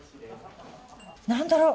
何だろう？